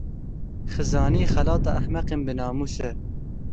Xizanî, xelata ehmeqên binamûs e.